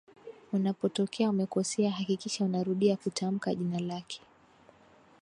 unapotokea umekosea hakikisha unarudia kutamka jina lake